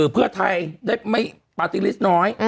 เพื่อไทยได้ไม่ปาร์ตี้ลิสต์น้อย